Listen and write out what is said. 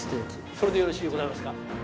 それでよろしゅうございますか？